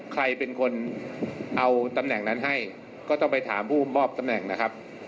ใครเป็นคนเอาตำแหน่งนั้นให้ก็ต้องไปถามผู้มอบตำแหน่งนะครับ